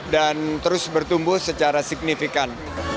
dan terus bertumbuh secara signifikan